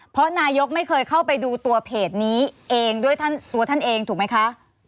เพราะนายกไม่เคยเข้าไปดูตัวเพจนี้เองด้วยตัวท่านเองถูกไหมคะ